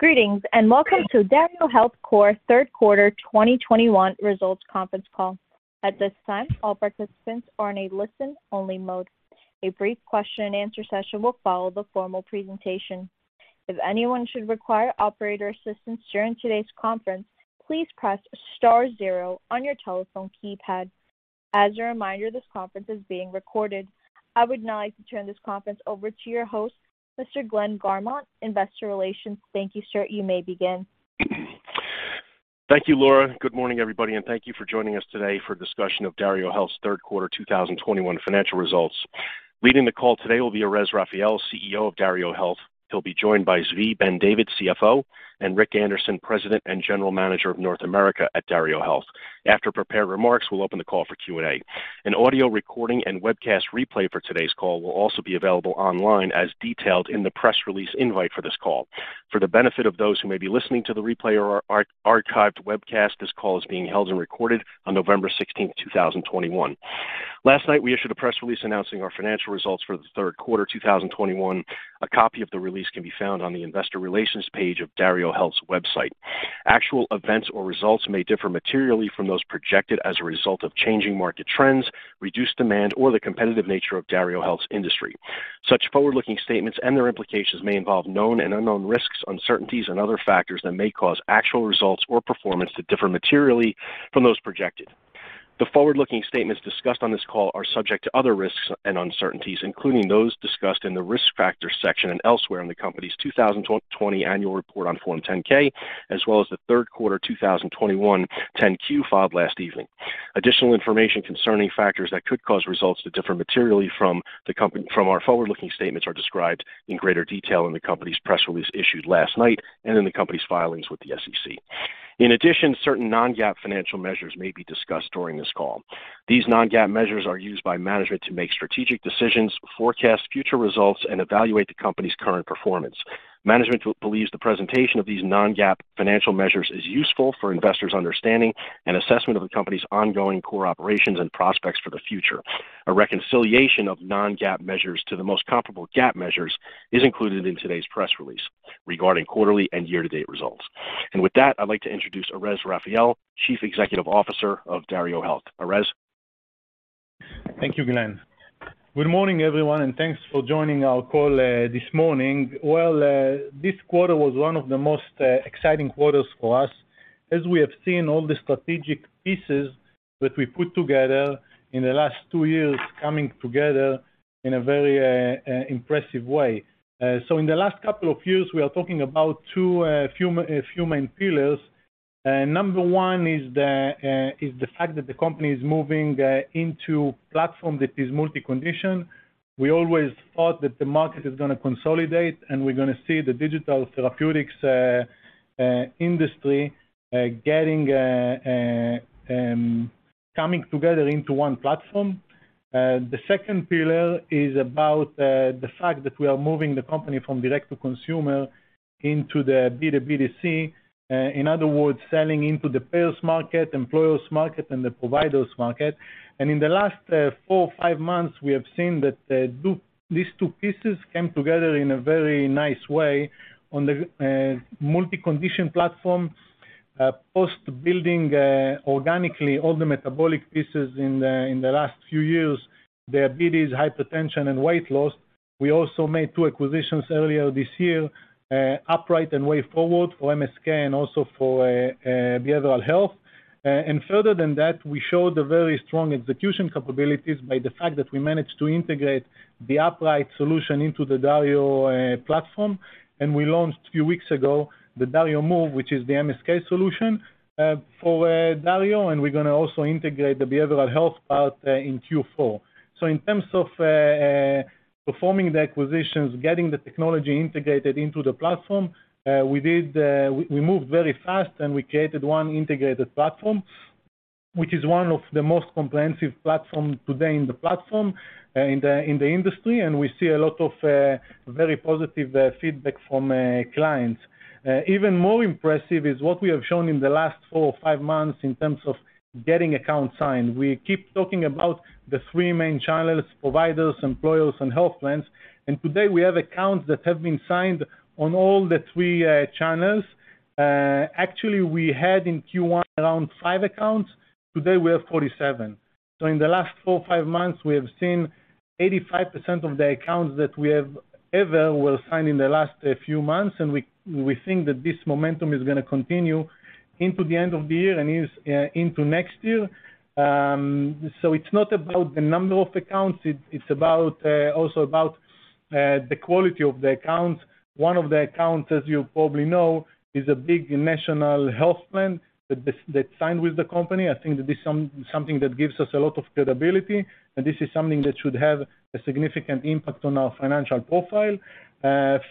Greetings, and welcome to DarioHealth Corp. third quarter 2021 results conference call. At this time, all participants are in a listen-only mode. A brief question-and-answer session will follow the formal presentation. If anyone should require operator assistance during today's conference, please press star zero on your telephone keypad. As a reminder, this conference is being recorded. I would now like to turn this conference over to your host, Mr. Glenn Garmont, Investor Relations. Thank you, sir. You may begin. Thank you, Laura. Good morning, everybody, and thank you for joining us today for a discussion of DarioHealth's third quarter 2021 financial results. Leading the call today will be Erez Raphael, CEO of DarioHealth. He'll be joined by Zvi Ben-David, CFO; and Rick Anderson, President and General Manager of North America at DarioHealth. After prepared remarks, we'll open the call for Q&A. An audio recording and webcast replay for today's call will also be available online as detailed in the press release invite for this call. For the benefit of those who may be listening to the replay or archived webcast, this call is being held and recorded on November 16, 2021. Last night, we issued a press release announcing our financial results for the third quarter 2021. A copy of the release can be found on the Investor Relations page of DarioHealth's website. Actual events or results may differ materially from those projected as a result of changing market trends, reduced demand, or the competitive nature of DarioHealth's industry. Such forward-looking statements and their implications may involve known and unknown risks, uncertainties, and other factors that may cause actual results or performance to differ materially from those projected. The forward-looking statements discussed on this call are subject to other risks and uncertainties, including those discussed in the Risk Factors section and elsewhere in the company's 2020 annual report on Form 10-K, as well as the third quarter 2021 10-Q filed last evening. Additional information concerning factors that could cause results to differ materially from our forward-looking statements are described in greater detail in the company's press release issued last night and in the company's filings with the SEC. In addition, certain non-GAAP financial measures may be discussed during this call. These non-GAAP measures are used by management to make strategic decisions, forecast future results, and evaluate the company's current performance. Management believes the presentation of these non-GAAP financial measures is useful for investors' understanding and assessment of the company's ongoing core operations and prospects for the future. A reconciliation of non-GAAP measures to the most comparable GAAP measures is included in today's press release regarding quarterly and year-to-date results. With that, I'd like to introduce Erez Raphael, Chief Executive Officer of DarioHealth. Erez? Thank you, Glenn. Good morning, everyone, and thanks for joining our call this morning. Well, this quarter was one of the most exciting quarters for us as we have seen all the strategic pieces that we put together in the last two years coming together in a very impressive way. In the last couple of years, we are talking about two main pillars. Number one is the fact that the company is moving into platform that is multi-condition. We always thought that the market is gonna consolidate, and we're gonna see the digital therapeutics industry coming together into one platform. The second pillar is about the fact that we are moving the company from direct-to-consumer into the B2B2C, in other words, selling into the payers market, employers market, and the providers market. In the last four or five months, we have seen that these two pieces came together in a very nice way on the multi-condition platform, post-building organically all the metabolic pieces in the last few years, diabetes, hypertension, and weight loss. We also made two acquisitions earlier this year, Upright and wayForward for MSK and also for behavioral health. Further than that, we showed the very strong execution capabilities by the fact that we managed to integrate the Upright solution into the Dario platform. We launched a few weeks ago the Dario Move, which is the MSK solution for Dario, and we're gonna also integrate the behavioral health part in Q4. In terms of performing the acquisitions, getting the technology integrated into the platform, we moved very fast, and we created one integrated platform, which is one of the most comprehensive platform today in the platform, in the industry, and we see a lot of very positive feedback from clients. Even more impressive is what we have shown in the last four or five months in terms of getting accounts signed. We keep talking about the three main channels - providers, employers, and health plans - and today we have accounts that have been signed on all the three channels. Actually, we had in Q1 around five accounts. Today, we have 47. In the last four or five months, we have seen 85% of the accounts that we have ever were signed in the last few months, and we think that this momentum is gonna continue into the end of the year and into next year. It's not about the number of accounts, it's also about the quality of the accounts. One of the accounts, as you probably know, is a big national health plan that signed with the company. I think that this something that gives us a lot of credibility, and this is something that should have a significant impact on our financial profile.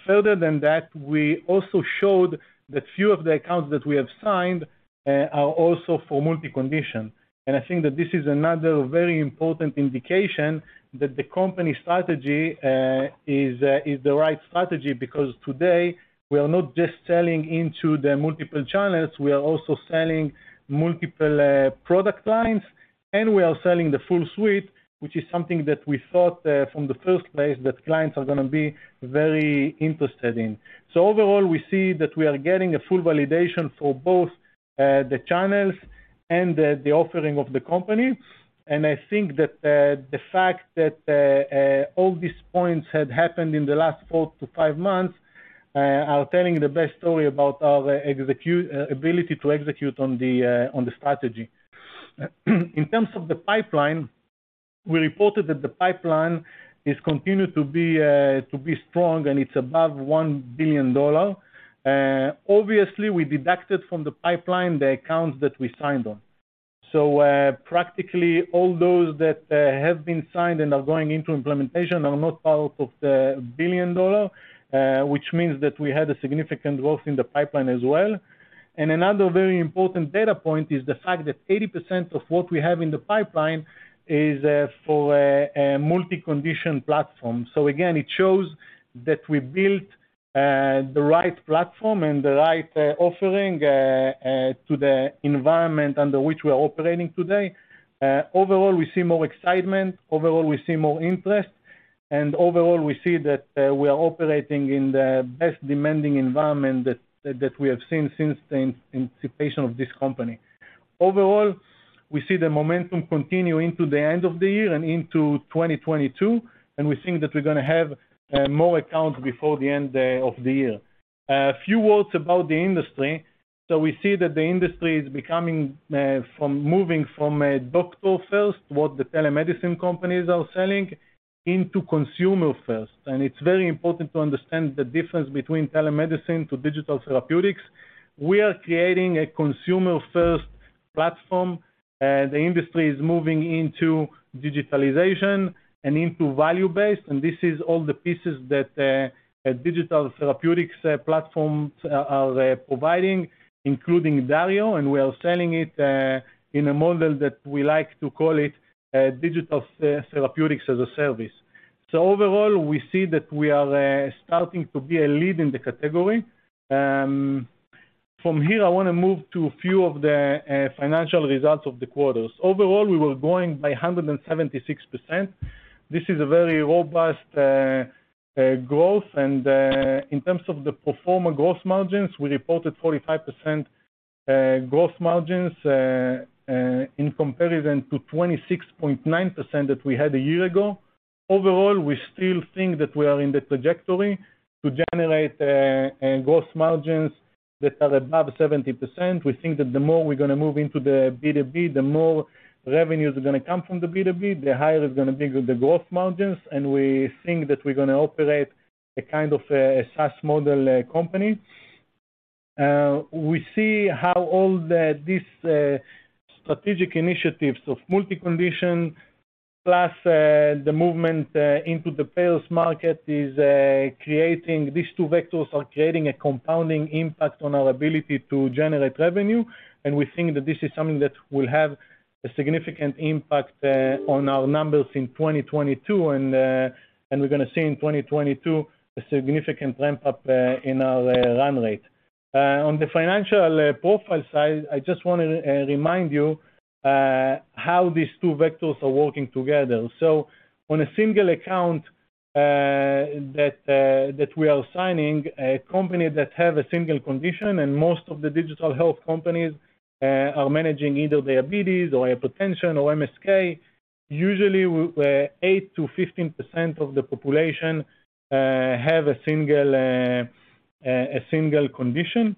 Further than that, we also showed that few of the accounts that we have signed are also for multi-condition. I think that this is another very important indication that the company strategy is the right strategy, because today, we are not just selling into the multiple channels, we are also selling multiple product lines, and we are selling the full suite, which is something that we thought from the first place that clients are gonna be very interested in. Overall, we see that we are getting a full validation for both the channels and the offering of the company. I think that the fact that all these points had happened in the last four to five months are telling the best story about our ability to execute on the strategy. In terms of the pipeline, we reported that the pipeline continues to be strong, and it's above $1 billion. Obviously, we deducted from the pipeline the accounts that we signed on. Practically all those that have been signed and are going into implementation are not part of the $1 billion, which means that we had a significant growth in the pipeline as well. Another very important data point is the fact that 80% of what we have in the pipeline is for a multi-condition platform. Again, it shows that we built the right platform and the right offering to the environment under which we're operating today. Overall, we see more excitement, overall we see more interest, and overall we see that we are operating in the most demanding environment that we have seen since the inception of this company. Overall, we see the momentum continue into the end of the year and into 2022, and we think that we're gonna have more accounts before the end of the year. A few words about the industry. We see that the industry is becoming, moving from a doctor first, what the telemedicine companies are selling, into consumer first. It's very important to understand the difference between telemedicine and digital therapeutics. We are creating a consumer-first platform, and the industry is moving into digitalization and into value-based, and this is all the pieces that digital therapeutics platforms are providing, including Dario, and we are selling it in a model that we like to call it digital therapeutics as a service. Overall, we see that we are starting to be a lead in the category. From here, I wanna move to a few of the financial results of the quarters. Overall, we were growing by 176%. This is a very robust growth and, in terms of the performing gross margins, we reported 45% gross margins in comparison to 26.9% that we had a year ago. Overall, we still think that we are in the trajectory to generate growth margins that are above 70%. We think that the more we're gonna move into the B2B, the more revenues are gonna come from the B2B, the higher is gonna be the growth margins, and we think that we're gonna operate a kind of a SaaS model company. We see how all these strategic initiatives of multi-condition, plus the movement into the payers market is creating. These two vectors are creating a compounding impact on our ability to generate revenue, and we think that this is something that will have a significant impact on our numbers in 2022, and we're gonna see in 2022 a significant ramp up in our run rate. On the financial profile side, I just wanna remind you how these two vectors are working together. On a single account that we are signing, a company that have a single condition, and most of the digital health companies are managing either diabetes or hypertension or MSK, usually 8%-15% of the population have a single condition.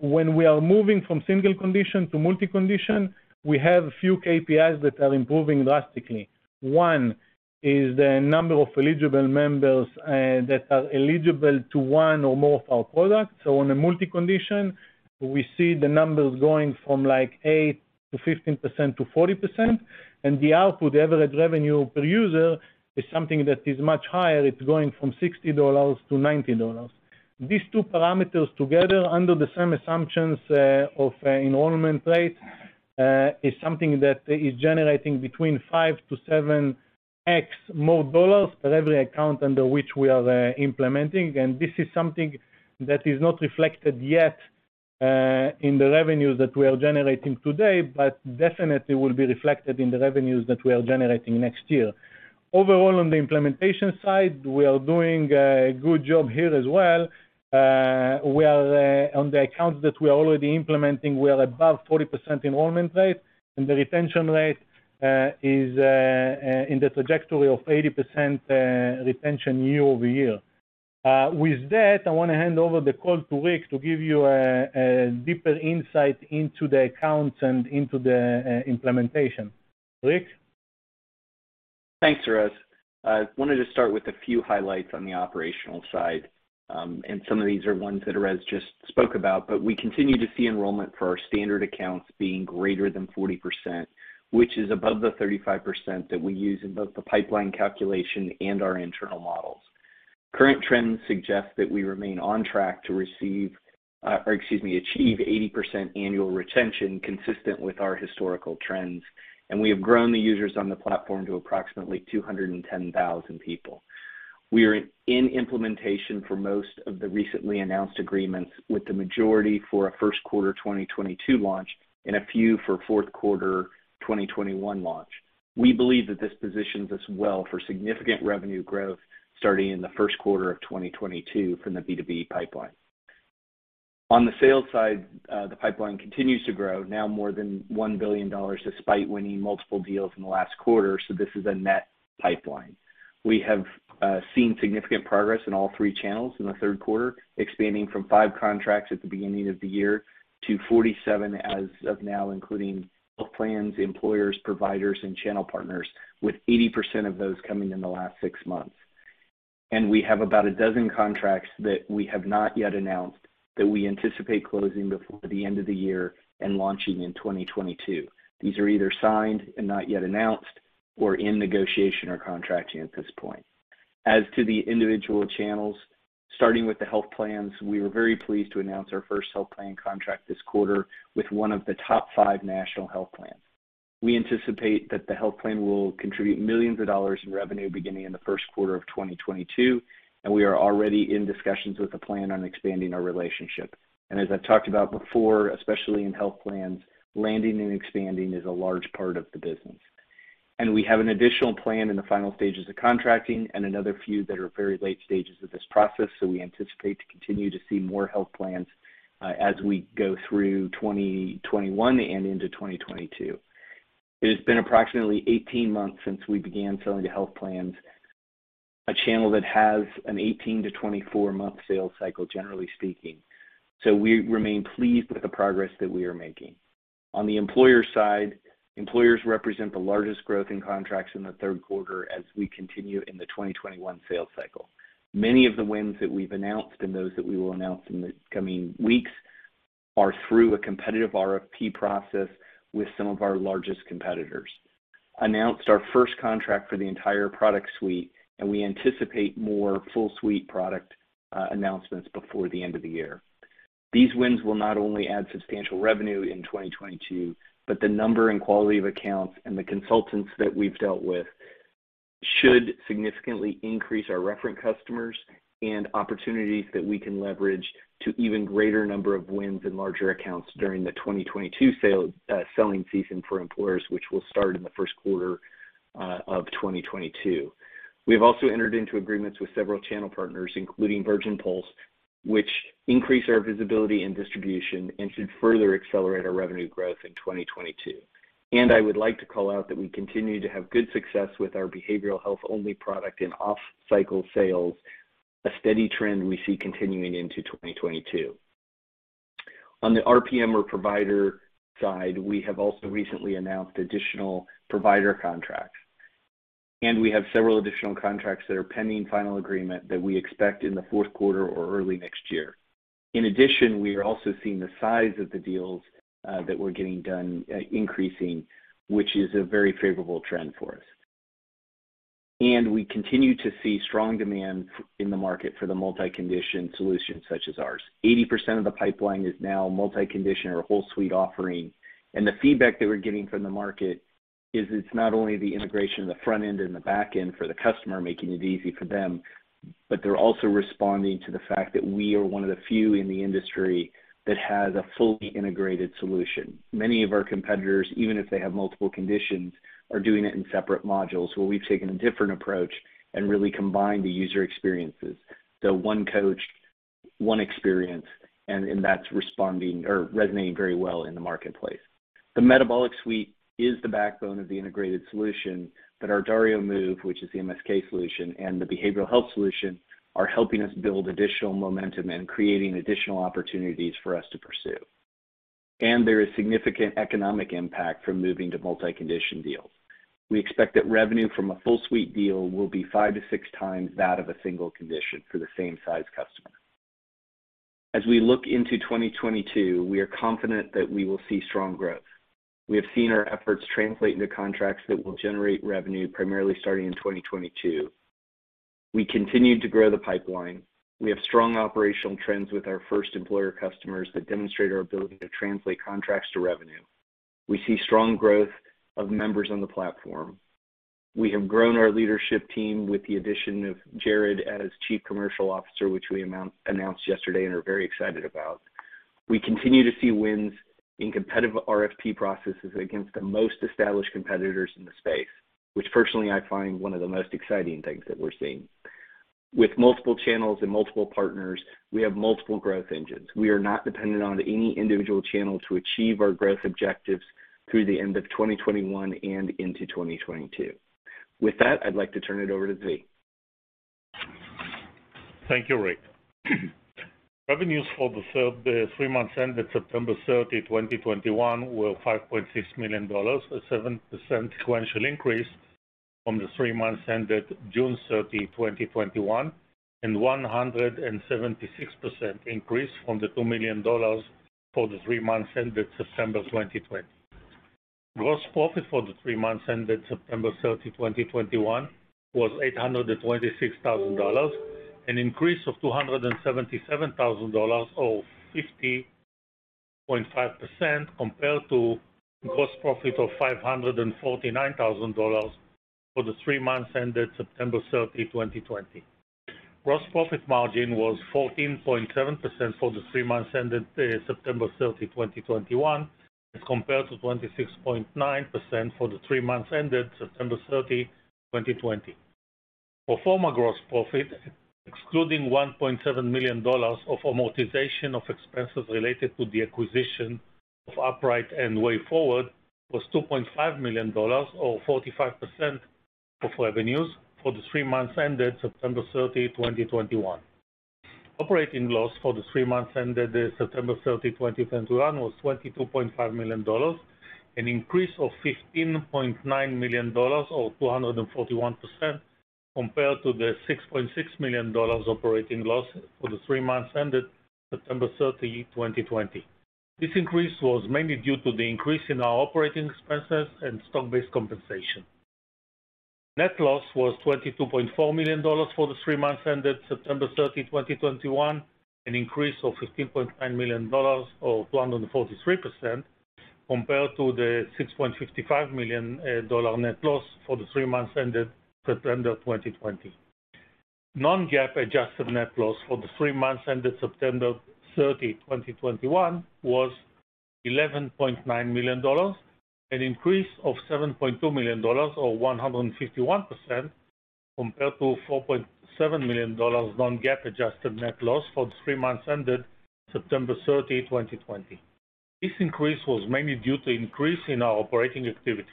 When we are moving from single condition to multi-condition, we have a few KPIs that are improving drastically. One is the number of eligible members that are eligible to one or more of our products. On a multi-condition, we see the numbers going from like 8%-15% to 40%, and the output, the average revenue per user, is something that is much higher. It's going from $60 to $90. These two parameters together under the same assumptions of enrollment rate is something that is generating between 5x-7x more dollars for every account under which we are implementing. This is something that is not reflected yet in the revenues that we are generating today, but definitely will be reflected in the revenues that we are generating next year. Overall, on the implementation side, we are doing a good job here as well. We are on the accounts that we are already implementing, we are above 40% enrollment rate, and the retention rate is in the trajectory of 80% retention year-over-year. With that, I wanna hand over the call to Rick to give you a deeper insight into the accounts and into the implementation. Rick? Thanks, Erez. I wanted to start with a few highlights on the operational side. Some of these are ones that Erez just spoke about. We continue to see enrollment for our standard accounts being greater than 40%, which is above the 35% that we use in both the pipeline calculation and our internal models. Current trends suggest that we remain on track to achieve 80% annual retention consistent with our historical trends, and we have grown the users on the platform to approximately 210,000 people. We are in implementation for most of the recently announced agreements with the majority for a first quarter 2022 launch and a few for fourth quarter 2021 launch. We believe that this positions us well for significant revenue growth starting in the first quarter of 2022 from the B2B pipeline. On the sales side, the pipeline continues to grow, now more than $1 billion despite winning multiple deals in the last quarter, so this is a net pipeline. We have seen significant progress in all three channels in the third quarter, expanding from five contracts at the beginning of the year to 47 as of now, including health plans, employers, providers, and channel partners, with 80% of those coming in the last six months. We have about a dozen contracts that we have not yet announced that we anticipate closing before the end of the year and launching in 2022. These are either signed and not yet announced or in negotiation or contracting at this point. As to the individual channels, starting with the health plans, we were very pleased to announce our first health plan contract this quarter with one of the top five national health plans. We anticipate that the health plan will contribute millions of dollars in revenue beginning in the first quarter of 2022, and we are already in discussions with the plan on expanding our relationship. As I've talked about before, especially in health plans, landing and expanding is a large part of the business. We have an additional plan in the final stages of contracting and another few that are very late stages of this process. We anticipate to continue to see more health plans as we go through 2021 and into 2022. It has been approximately 18 months since we began selling to health plans, a channel that has an 18- to 24-month sales cycle, generally speaking. We remain pleased with the progress that we are making. On the employer side, employers represent the largest growth in contracts in the third quarter as we continue in the 2021 sales cycle. Many of the wins that we've announced and those that we will announce in the coming weeks are through a competitive RFP process with some of our largest competitors. We announced our first contract for the entire product suite, and we anticipate more full-suite product announcements before the end of the year. These wins will not only add substantial revenue in 2022, but the number and quality of accounts and the consultants that we've dealt with should significantly increase our reference customers and opportunities that we can leverage to even greater number of wins and larger accounts during the 2022 sale, selling season for employers, which will start in the first quarter of 2022. We have also entered into agreements with several channel partners, including Virgin Pulse, which increase our visibility and distribution and should further accelerate our revenue growth in 2022. I would like to call out that we continue to have good success with our behavioral health only product in off-cycle sales, a steady trend we see continuing into 2022. On the RPM or provider side, we have also recently announced additional provider contracts, and we have several additional contracts that are pending final agreement that we expect in the fourth quarter or early next year. In addition, we are also seeing the size of the deals that we're getting done increasing, which is a very favorable trend for us. We continue to see strong demand in the market for the multi-condition solutions such as ours. 80% of the pipeline is now multi-condition or whole suite offering. The feedback that we're getting from the market is, it's not only the integration of the front end and the back end for the customer, making it easy for them, but they're also responding to the fact that we are one of the few in the industry that has a fully integrated solution. Many of our competitors, even if they have multiple conditions, are doing it in separate modules, where we've taken a different approach and really combined the user experiences. One coach, one experience, and that's responding or resonating very well in the marketplace. The metabolic suite is the backbone of the integrated solution, but our Dario Move, which is the MSK solution, and the behavioral health solution are helping us build additional momentum and creating additional opportunities for us to pursue. There is significant economic impact from moving to multi-condition deals. We expect that revenue from a full suite deal will be 5x-6x that of a single condition for the same size customer. As we look into 2022, we are confident that we will see strong growth. We have seen our efforts translate into contracts that will generate revenue primarily starting in 2022. We continue to grow the pipeline. We have strong operational trends with our first employer customers that demonstrate our ability to translate contracts to revenue. We see strong growth of members on the platform. We have grown our leadership team, with the addition of Jared as Chief Commercial Officer, which we announced yesterday and are very excited about. We continue to see wins in competitive RFP processes against the most established competitors in the space, which personally, I find one of the most exciting things that we're seeing. With multiple channels and multiple partners, we have multiple growth engines. We are not dependent on any individual channel to achieve our growth objectives through the end of 2021 and into 2022. With that, I'd like to turn it over to Zvi. Thank you, Rick. Revenues for the three months ended September 30, 2021 were $5.6 million, a 7% sequential increase from the three months ended June 30, 2021, and 176% increase from the $2 million for the three months ended September 2020. Gross profit for the three months ended September 30, 2021 was $826,000, an increase of $277,000, or 50.5%, compared to gross profit of $549,000 for the three months ended September 30, 2020. Gross profit margin was 14.7% for the three months ended September 30, 2021 as compared to 26.9% for the three months ended September 30, 2020. Pro forma gross profit, excluding $1.7 million of amortization of expenses related to the acquisition of Upright and wayForward, was $2.5 million, or 45% of revenues for the three months ended September 30, 2021. Operating loss for the three months ended September 30, 2021 was $22.5 million, an increase of $15.9 million or 241% compared to the $6.6 million operating loss for the three months ended September 30, 2020. This increase was mainly due to the increase in our operating expenses and stock-based compensation. Net loss was $22.4 million for the three months ended September 30, 2021, an increase of $15.9 million, or 243%, compared to the $6.55 million dollar net loss for the three months ended September 2020. Non-GAAP adjusted net loss for the three months ended September 30, 2021 was $11.9 million, an increase of $7.2 million, or 151%, compared to $4.7 million non-GAAP adjusted net loss for the three months ended September 30, 2020. This increase was mainly due to increases in our operating activities.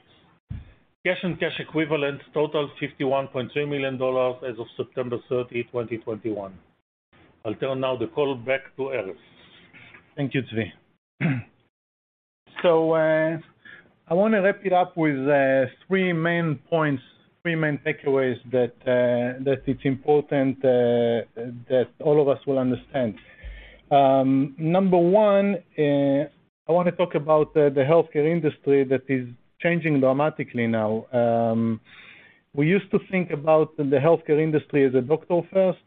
Cash and cash equivalents totaled $51.3 million as of September 30, 2021. I'll now turn the call back to Erez. Thank you, Zvi. I wanna wrap it up with three main points, three main takeaways that it's important that all of us will understand. Number one, I wanna talk about the healthcare industry that is changing dramatically now. We used to think about the healthcare industry as a doctor first.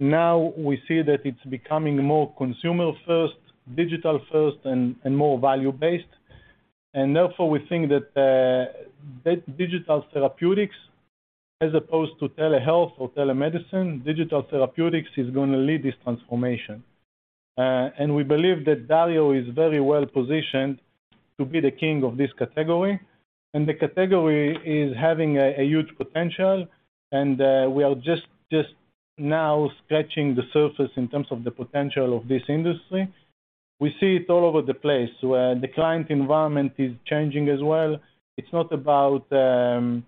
Now, we see that it's becoming more consumer first, digital first, and more value-based. Therefore, we think that digital therapeutics, as opposed to telehealth or telemedicine, digital therapeutics is gonna lead this transformation. We believe that Dario is very well-positioned to be the king of this category, and the category is having a huge potential, and we are just now scratching the surface in terms of the potential of this industry. We see it all over the place where the client environment is changing as well. It's not about whether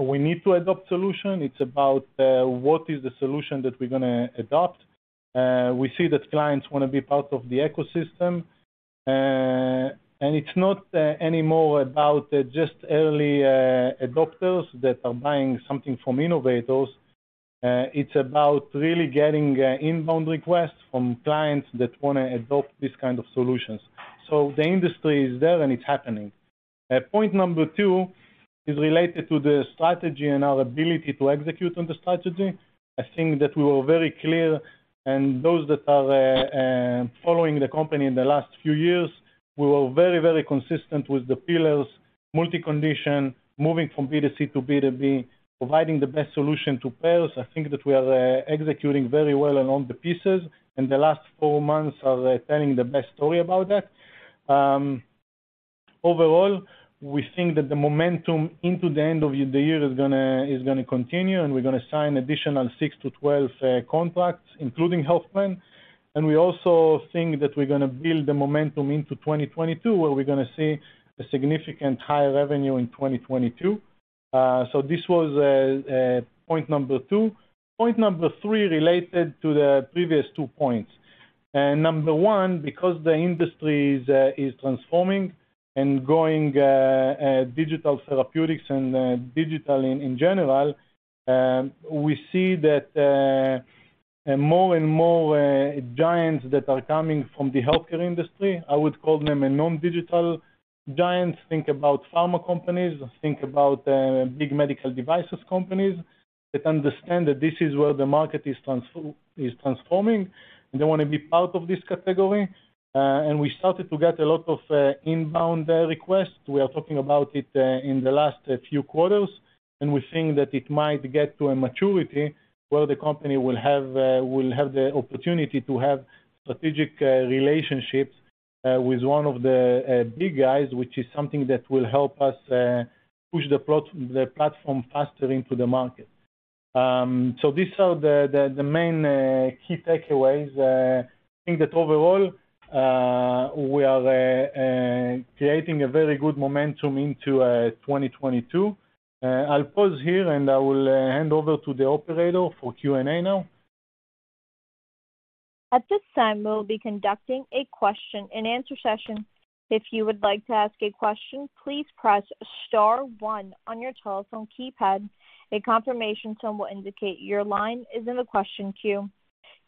we need to adopt solution. It's about what is the solution that we're gonna adopt. We see that clients wanna be part of the ecosystem. It's not anymore about just early adopters that are buying something from innovators. It's about really getting inbound requests from clients that wanna adopt these kind of solutions. The industry is there, and it's happening. Point number two is related to the strategy and our ability to execute on the strategy. I think that we were very clear, and those that are following the company in the last few years, we were very, very consistent with the pillars, multi-condition, moving from B2C to B2B, providing the best solution to payers. I think that we are executing very well on all the pieces, and the last four months are telling the best story about that. Overall, we think that the momentum into the end of the year is gonna continue, and we're gonna sign additional six to 12 contracts, including health plan. We also think that we're gonna build the momentum into 2022, where we're gonna see a significant higher revenue in 2022. This was point number two. Point number three related to the previous two points. Number one, because the industry is transforming and going digital therapeutics and digital, in general, we see that more and more giants that are coming from the healthcare industry, I would call them non-digital giants--think about pharma companies, think about big medical devices companies--that understand that this is where the market is transforming, and they wanna be part of this category. We started to get a lot of inbound requests. We are talking about it in the last few quarters, and we think that it might get to a maturity where the company will have the opportunity to have strategic relationships with one of the big guys, which is something that will help us push the platform faster into the market. These are the main key takeaways. I think that overall, we are creating a very good momentum into 2022. I'll pause here, and I will hand over to the operator for Q&A now. At this time, we'll be conducting a question-and-answer session. If you would like to ask a question, please press star one on your telephone keypad. A confirmation tone will indicate your line is in the question queue.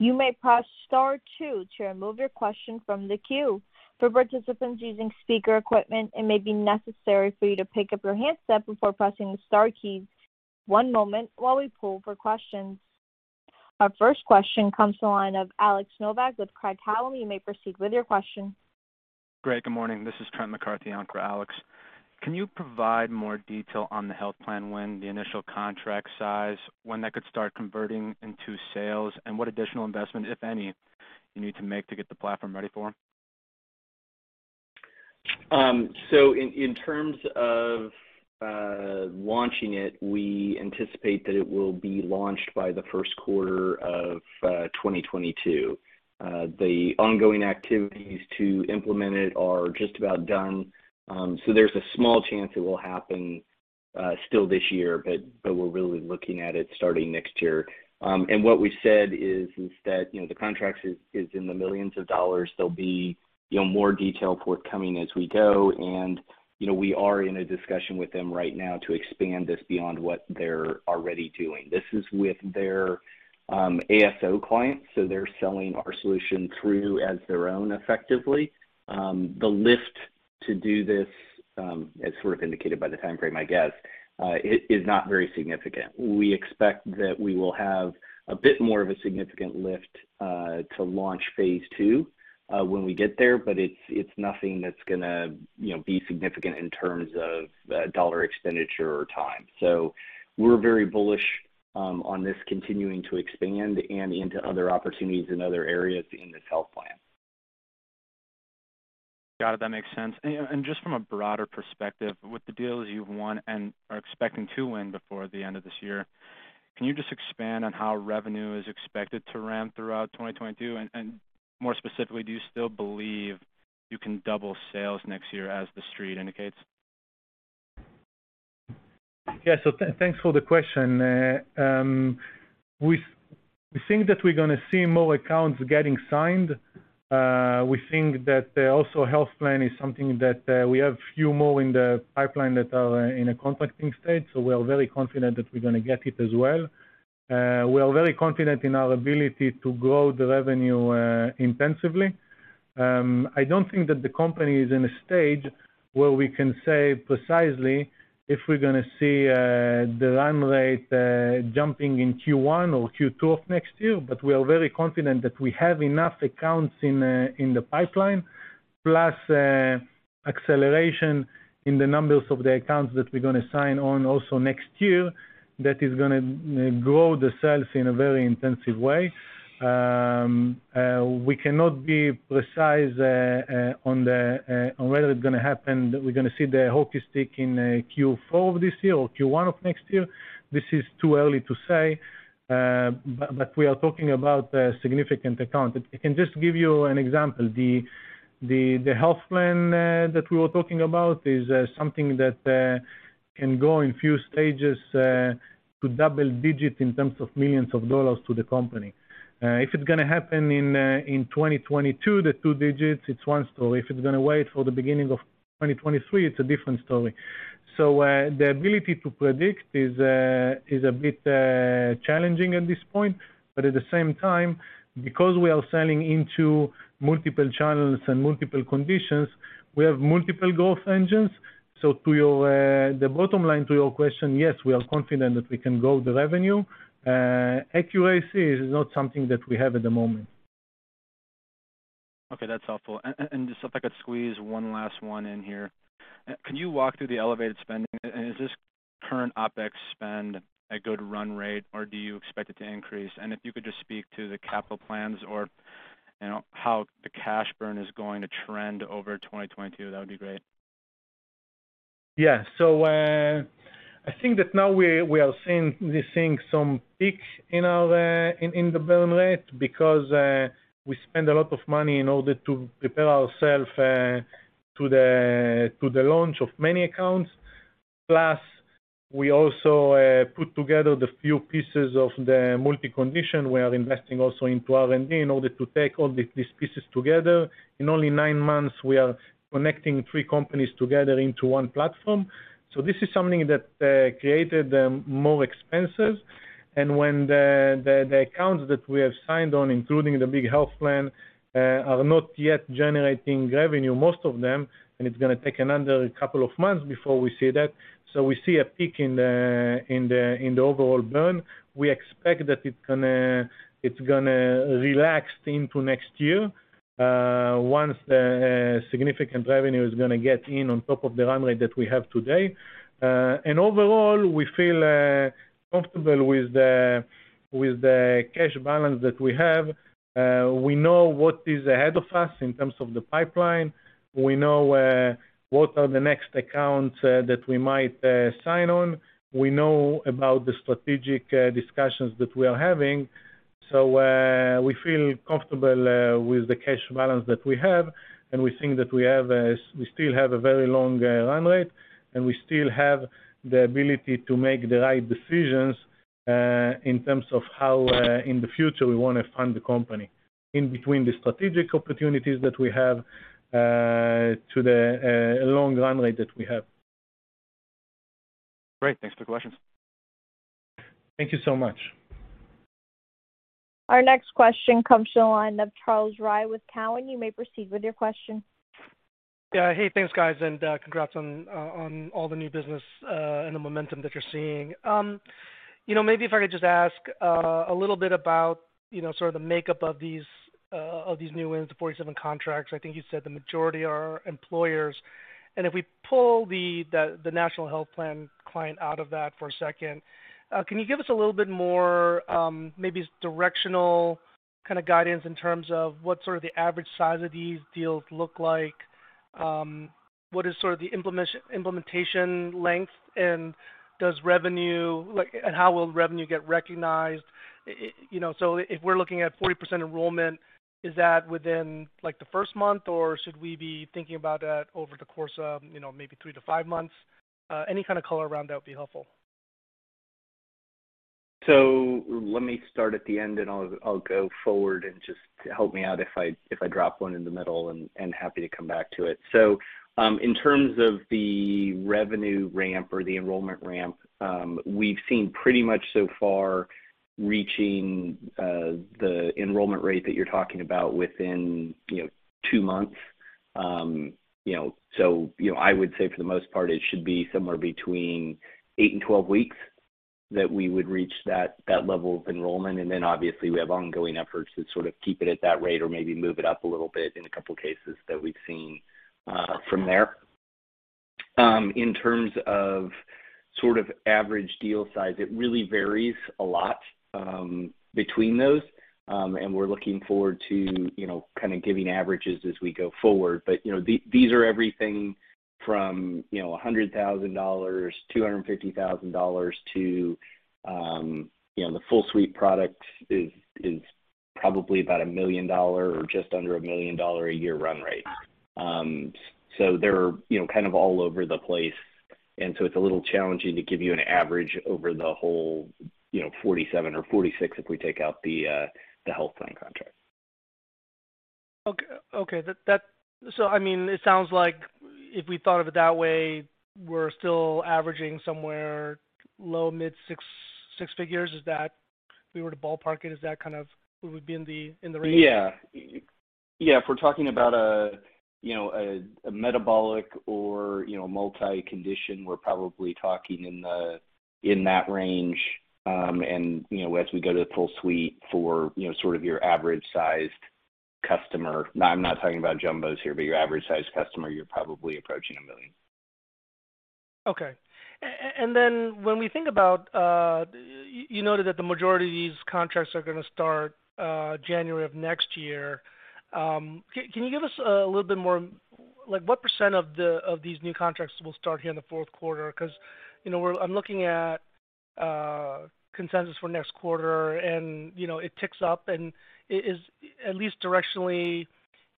You may press star two to remove your question from the queue. For participants using speaker equipment, it may be necessary for you to pick up your handset before pressing the star keys. One moment while we poll for questions. Our first question comes to the line of Alex Nowak with Craig-Hallum. You may proceed with your question. Great. Good morning. This is Trent McCarthy on for Alex. Can you provide more detail on the health plan win, the initial contract size, when that could start converting into sales, and what additional investment, if any, you need to make to get the platform ready for? In terms of launching it, we anticipate that it will be launched by the first quarter of 2022. The ongoing activities to implement it are just about done, so there's a small chance it will happen still this year, but we're really looking at it starting next year. What we've said is instead, you know, the contract is in the millions of dollars. There'll be, you know, more detail forthcoming as we go, and we are in a discussion with them right now to expand this beyond what they're already doing. This is with their ASO clients, so they're selling our solution through as their own, effectively. The lift to do this, as sort of indicated by the timeframe, I guess, is not very significant. We expect that we will have a bit more of a significant lift to launch phase two when we get there, but it's nothing that's gonna, you know, be significant in terms of dollar expenditure or time. We're very bullish on this continuing to expand and into other opportunities in other areas in this health plan. Got it. That makes sense. Just from a broader perspective, with the deals you've won and are expecting to win before the end of this year, can you just expand on how revenue is expected to ramp throughout 2022? More specifically, do you still believe you can double sales next year as The Street indicates? Thanks for the question. We think that we're gonna see more accounts getting signed. We think that also health plan is something that we have few more in the pipeline that are in a contracting state, so we are very confident that we're gonna get it as well. We are very confident in our ability to grow the revenue intensively. I don't think that the company is in a stage where we can say, precisely, if we're gonna see the run rate jumping in Q1 or Q2 of next year, but we are very confident that we have enough accounts in the pipeline, plus acceleration in the numbers of the accounts that we're gonna sign on also next year that is gonna grow the sales in a very intensive way. We cannot be precise on whether it's gonna happen, we're gonna see the hockey stick in Q4 of this year or Q1 of next year. This is too early to say. We are talking about a significant account. If I can just give you an example, the health plan that we were talking about is something that can go in few stages to double-digits in terms of millions of dollars to the company. If it's gonna happen in 2022, the double-digits, it's one story. If it's gonna wait for the beginning of 2023, it's a different story. The ability to predict is a bit challenging at this point. At the same time, because we are selling into multiple channels and multiple conditions, we have multiple growth engines. To your, the bottom line to your question, yes, we are confident that we can grow the revenue. Accuracy is not something that we have at the moment. Okay, that's helpful. Just if I could squeeze one last one in here. Can you walk through the elevated spending? Is this current OpEx spend a good run rate, or do you expect it to increase? If you could just speak to the capital plans or, you know, how the cash burn is going to trend over 2022, that would be great. Yeah. I think that now we are seeing some peak in our burn rate because we spend a lot of money in order to prepare ourselves to the launch of many accounts. Plus, we also put together the few pieces of the multi-condition. We are investing also into R&D in order to take all these pieces together. In only nine months, we are connecting three companies together into one platform. This is something that created more expenses. When the accounts that we have signed on, including the big health plan, are not yet generating revenue, most of them, and it's gonna take another couple of months before we see that, we see a peak in the overall burn. We expect that it's gonna relax into next year, once the significant revenue is gonna get in on top of the run rate that we have today. Overall, we feel comfortable with the cash balance that we have. We know what is ahead of us in terms of the pipeline. We know what are the next accounts that we might sign on. We know about the strategic discussions that we are having. We feel comfortable with the cash balance that we have, and we think that we still have a very long run rate, and we still have the ability to make the right decisions in terms of how in the future we wanna fund the company in between the strategic opportunities that we have to the long run rate that we have. Great. Thanks for the questions. Thank you so much. Our next question comes from the line of Charles Rhyee with Cowen. You may proceed with your question. Yeah. Hey, thanks, guys, and congrats on all the new business and the momentum that you're seeing. You know, maybe if I could just ask a little bit about, you know, sort of the makeup of these new wins, the 47 contracts. I think you said the majority are employers. If we pull the national health plan client out of that for a second, can you give us a little bit more, maybe directional kind of guidance in terms of what sort of the average size of these deals look like? What is sort of the implementation length, and how will revenue get recognized? You know, if we're looking at 40% enrollment, is that within like the first month, or should we be thinking about that over the course of, you know, maybe tjree to five months? Any kind of color around that would be helpful. Let me start at the end, and I'll go forward, and just help me out if I drop one in the middle and happy to come back to it. In terms of the revenue ramp or the enrollment ramp, we've seen pretty much so far reaching the enrollment rate that you're talking about within, you know, two months. You know, I would say for the most part, it should be somewhere between eight and 12 weeks that we would reach that level of enrollment. Then obviously we have ongoing efforts to sort of keep it at that rate or maybe move it up a little bit in a couple of cases that we've seen from there. In terms of sort of average deal size, it really varies a lot between those. We're looking forward to, you know, kind of giving averages as we go forward. You know, these are everything from, you know, $100,000, $250,000 to, you know, the full suite product is probably about $1 million or just under $1 million a year run rate. They're, you know, kind of all over the place. It's a little challenging to give you an average over the whole, you know, 47 or 46 if we take out the health plan contract. Okay. I mean, it sounds like if we thought of it that way, we're still averaging somewhere low mid six figures. Is that if we were to ballpark it, kind of where we'd be in the range? Yeah. If we're talking about a you know metabolic or you know multi-condition, we're probably talking in that range. You know, as we go to the full suite for you know sort of your average sized customer. I'm not talking about jumbos here, but your average sized customer, you're probably approaching $1 million. Okay. When we think about, you noted that the majority of these contracts are gonna start January of next year. Can you give us a little bit more like, what percent of these new contracts will start here in the fourth quarter? Because, you know, I'm looking at consensus for next quarter and, you know, it ticks up, and it is, at least directionally,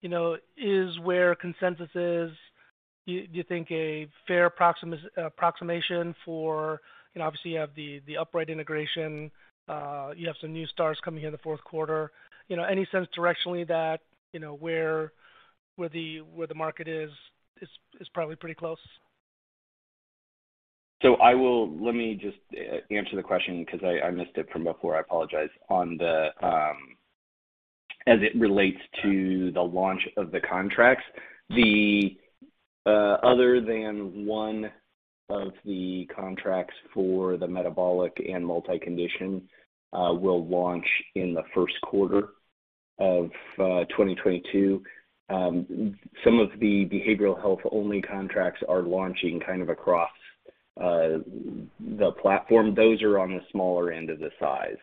you know, is where consensus is. Do you think a fair approximation for, you know--obviously, you have the Upright integration, you have some new starts coming here in the fourth quarter. You know, any sense directionally that, you know, where the market is probably pretty close. Let me just answer the question because I missed it from before. I apologize. As it relates to the launch of the contracts, other than one of the contracts for the metabolic and multi-condition, will launch in the first quarter of 2022. Some of the behavioral health only contracts are launching kind of across the platform. Those are on the smaller end of the size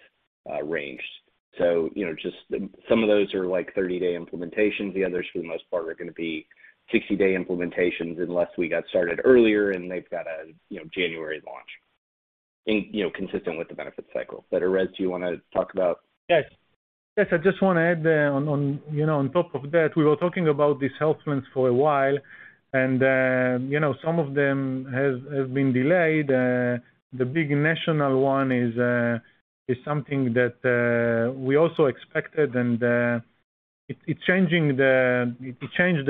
range. You know, just some of those are like 30-day implementations. The others, for the most part, are gonna be 60-day implementations unless we got started earlier and they've got a, you know, January launch in, you know, consistent with the benefit cycle. Erez, do you wanna talk about? Yes. Yes, I just wanna add there on, you know, on top of that. We were talking about these health plans for a while, and some of them has been delayed. The big national one is something that we also expected, and it changed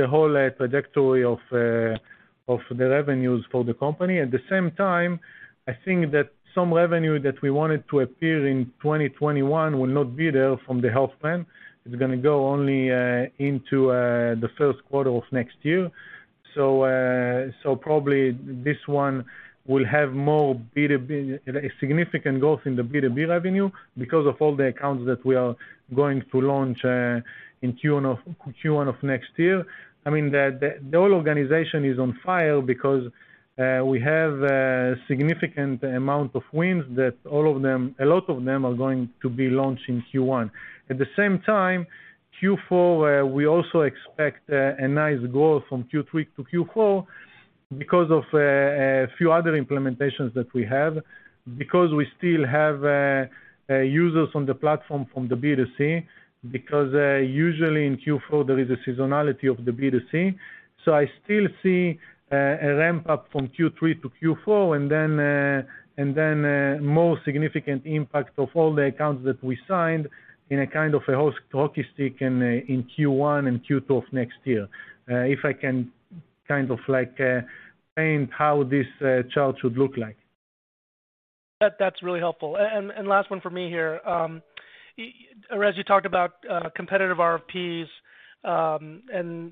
the whole trajectory of the revenues for the company. At the same time, I think that some revenue that we wanted to appear in 2021 will not be there from the health plan. It's gonna go only into the first quarter of next year. Probably this one will have more B2B, significant growth in the B2B revenue because of all the accounts that we are going to launch in Q1 of next year. I mean, the whole organization is on fire because we have a significant amount of wins that all of them, a lot of them are going to be launched in Q1. At the same time, Q4, we also expect a nice growth from Q3 to Q4 because of a few other implementations that we have. Because we still have users on the platform from the B2C, because usually in Q4, there is a seasonality of the B2C. I still see a ramp-up from Q3 to Q4, and then more significant impact of all the accounts that we signed in a kind of a hockey stick in Q1 and Q2 of next year. If I can kind of like paint how this chart should look like. That's really helpful. And last one for me here. Erez, you talked about competitive RFPs, and,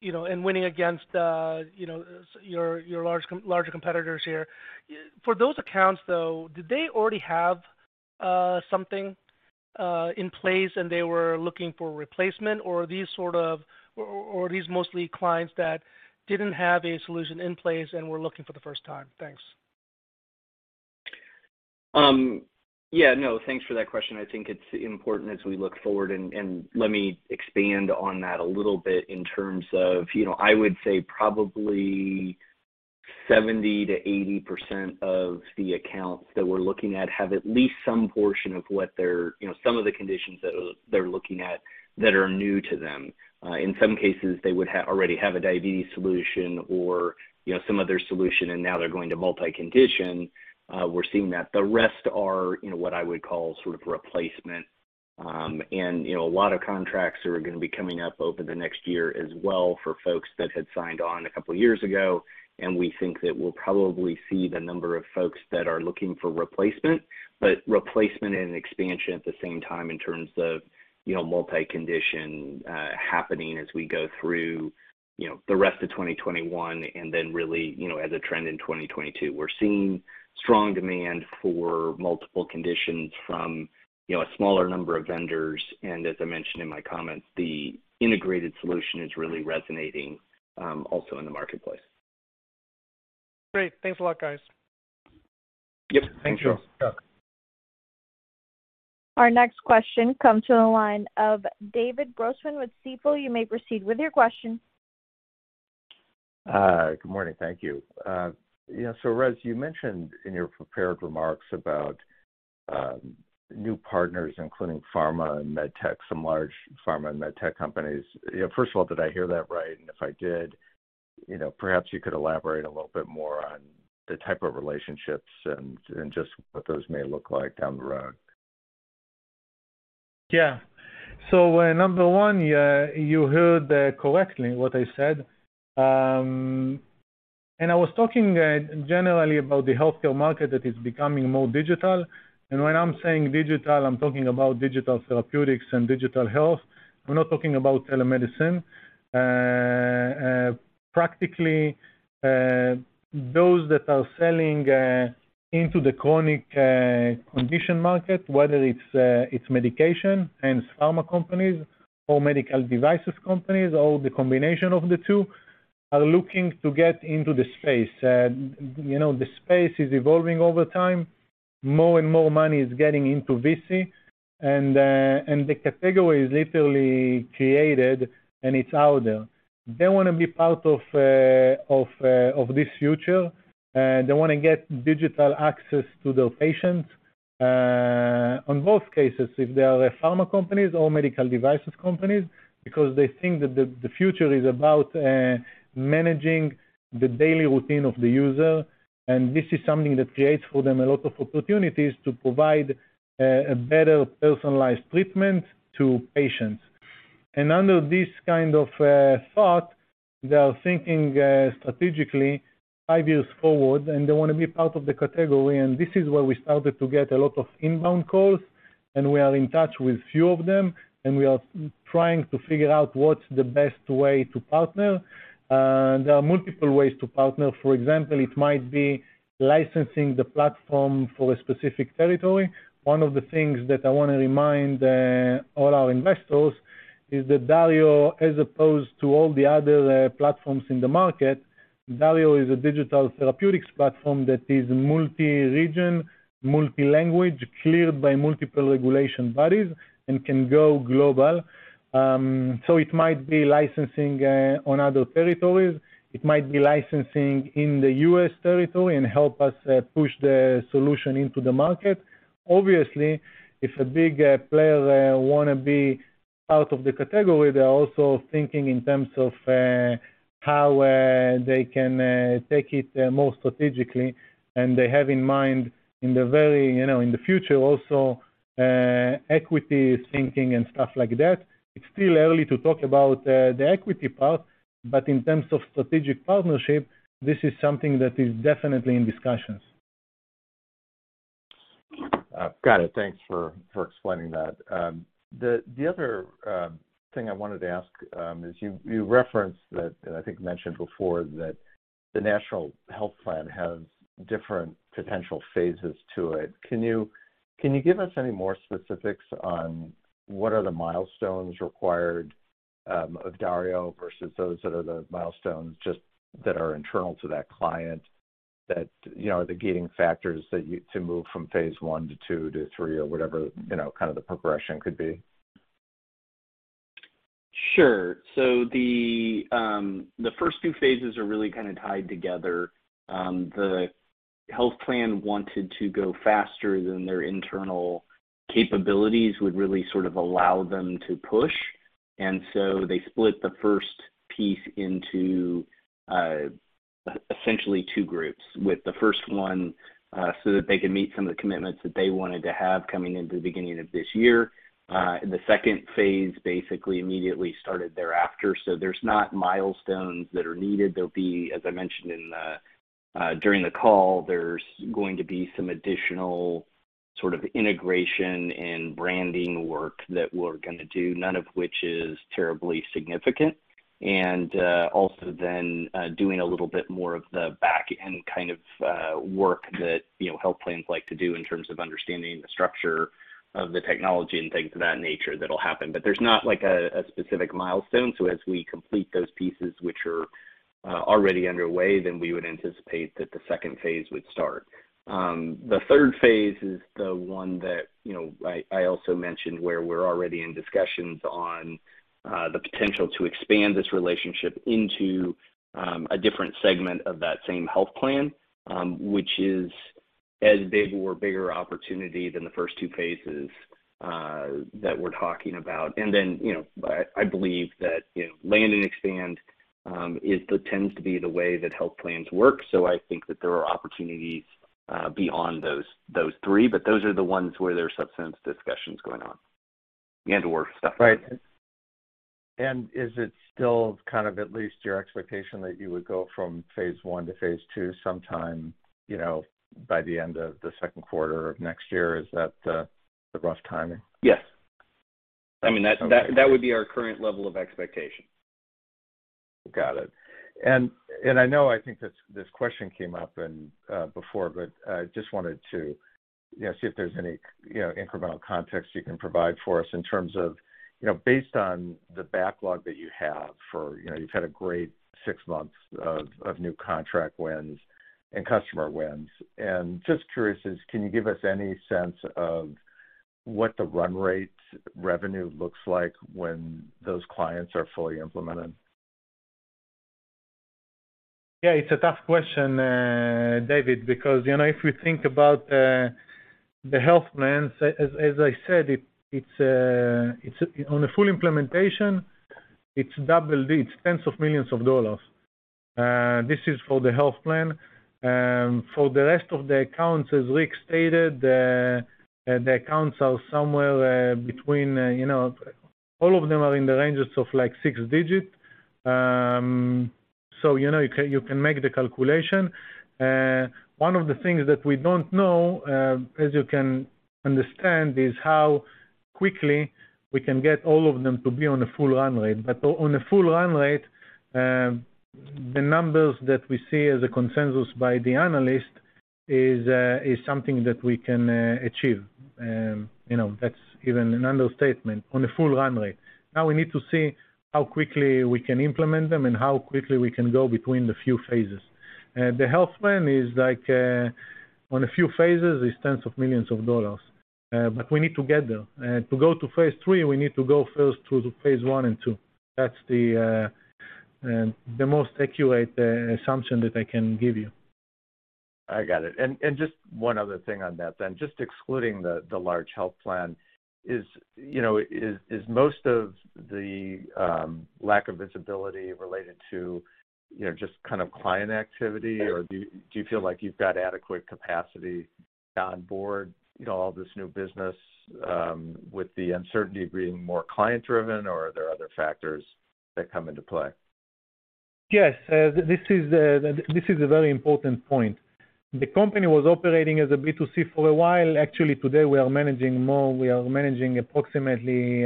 you know, winning against, you know, your larger competitors here. For those accounts, though, did they already have something in place and they were looking for replacement or are these mostly clients that didn't have a solution in place and were looking for the first time? Thanks. Yeah, no, thanks for that question. I think it's important as we look forward, and let me expand on that a little bit in terms of, you know, I would say probably 70%-80% of the accounts that we're looking at have at least some portion of what they're, you know, some of the conditions that they're looking at that are new to them. In some cases, they would already have a diabetes solution or, you know, some other solution, and now they're going to multi-condition. We're seeing that the rest are, you know, what I would call sort of replacement, and, you know, a lot of contracts are gonna be coming up over the next year as well for folks that had signed on a couple years ago. We think that we'll probably see the number of folks that are looking for replacement, but replacement and expansion at the same time in terms of, you know, multi-condition, happening as we go through, you know, the rest of 2021 and then really, you know, as a trend in 2022. We're seeing strong demand for multiple conditions from, you know, a smaller number of vendors, and as I mentioned in my comments, the integrated solution is really resonating, also in the marketplace. Great. Thanks a lot, guys. Yep. Thank you. Sure. Yeah. Our next question comes from the line of David Grossman with Stifel. You may proceed with your question. Good morning. Thank you. You know, Erez, you mentioned in your prepared remarks about new partners, including pharma and med tech, some large pharma and med tech companies. You know, first of all, did I hear that right? If I did, you know, perhaps you could elaborate a little bit more on the type of relationships and just what those may look like down the road. Yeah. Number one, yeah, you heard correctly what I said. I was talking generally about the healthcare market that is becoming more digital. When I'm saying digital, I'm talking about digital therapeutics and digital health. We're not talking about telemedicine. Practically, those that are selling into the chronic condition market, whether it's medication, hence, pharma companies or medical devices companies, or the combination of the two, are looking to get into the space. You know, the space is evolving over time. More and more money is getting into VC, and the category is literally created, and it's out there. They wanna be part of of this future, they wanna get digital access to their patients, on both cases, if they are pharma companies or medical device companies, because they think that the future is about managing the daily routine of the user. This is something that creates for them a lot of opportunities to provide a better personalized treatment to patients. Under this kind of thought, they are thinking strategically five years forward, and they wanna be part of the category. This is where we started to get a lot of inbound calls, and we are in touch with few of them, and we are trying to figure out what's the best way to partner. There are multiple ways to partner. For example, it might be licensing the platform for a specific territory. One of the things that I wanna remind all our investors is that Dario, as opposed to all the other platforms in the market, Dario is a digital therapeutics platform that is multi-region, multi-language, cleared by multiple regulatory bodies and can go global. It might be licensing in other territories. It might be licensing in the U.S. territory and help us push the solution into the market. Obviously, if a big player wanna be part of the category, they're also thinking in terms of how they can take it more strategically, and they have in mind in the very, you know, in the future also equity thinking and stuff like that. It's still early to talk about the equity part, but in terms of strategic partnership, this is something that is definitely in discussions. Got it. Thanks for explaining that. The other thing I wanted to ask is you referenced that, and I think mentioned before that the national health plan has different potential phases to it. Can you give us any more specifics on what are the milestones required of Dario versus those that are the milestones just that are internal to that client that, you know, are the gating factors that you to move from phase one to two to three or whatever you know kind of the progression could be? Sure. The first two phases are really kinda tied together. The health plan wanted to go faster than their internal capabilities would really sort of allow them to push. They split the first piece into essentially two groups, with the first one so that they could meet some of the commitments that they wanted to have coming into the beginning of this year. The second phase basically immediately started thereafter. There's no milestones that are needed. There'll be, as I mentioned during the call, some additional sort of integration and branding work that we're gonna do, none of which is terribly significant. And, also then doing a little bit more of the back-end kind of work that, you know, health plans like to do in terms of understanding the structure of the technology and things of that nature that'll happen. But there's not like a specific milestone. As we complete those pieces which are already underway, then we would anticipate that the second phase would start. The third phase is the one that, you know, I also mentioned where we're already in discussions on the potential to expand this relationship into a different segment of that same health plan, which is as big or bigger opportunity than the first two phases that we're talking about. Then, you know, I believe that, you know, land and expand, it tends to be the way that health plans work, so I think that there are opportunities beyond those three, but those are the ones where there's substantive discussions going on and/or stuff. Right. Is it still kind of at least your expectation that you would go from phase one to phase two sometime, you know, by the end of the second quarter of next year? Is that the rough timing? Yes. I mean- Okay.... that would be our current level of expectation. Got it. I know, I think this question came up before, but just wanted to, you know, see if there's any, you know, incremental context you can provide for us in terms of, you know, based on the backlog that you have for, you know, you've had a great six months of new contract wins and customer wins. Just curious, is can you give us any sense of what the run rate revenue looks like when those clients are fully implemented? Yeah, it's a tough question, David, because, you know, if we think about the health plans, as I said, it's on a full implementation, it's double-digits, tens of millions of dollars. This is for the health plan. For the rest of the accounts, as Rick stated, the accounts are somewhere between, you know, all of them are in the ranges of, like, six-digit. You know, you can make the calculation. One of the things that we don't know, as you can understand, is how quickly we can get all of them to be on a full run rate. On a full run rate, the numbers that we see as a consensus by the analyst is something that we can achieve. You know, that's even an understatement on a full run rate. Now, we need to see how quickly we can implement them and how quickly we can go between the few phases. The health plan is like on a few phases, is tens of millions of dollars. But we need to get there. To go to phase three, we need to go first to the phase one and two. That's the most accurate assumption that I can give you. I got it. Just one other thing on that then. Just excluding the large health plan, you know, is most of the lack of visibility related to, you know, just kind of client activity? Or do you feel like you've got adequate capacity on board, you know, all this new business, with the uncertainty being more client-driven or are there other factors that come into play? Yes. This is a very important point. The company was operating as a B2C for a while. Actually, today, we are managing more. We are managing approximately